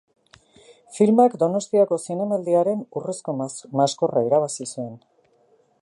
Filmak Donostiako Zinemaldiaren Urrezko Maskorra irabazi zuen.